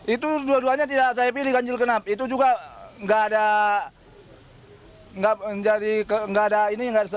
itu dua duanya saya pilih ganjil genap itu juga gak ada solusinya itu